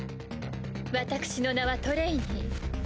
私の名はトレイニー。